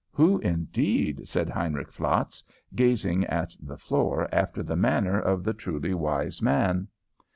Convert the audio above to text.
"Who, indeed?" said Heinrich Flatz, gazing at the floor after the manner of the truly wise man.